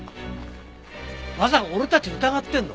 まさか俺たち疑ってるの？